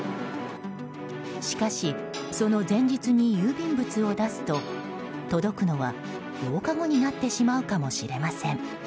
しかし、その前日に郵便物を出すと届くのは、８日後になってしまうかもしれません。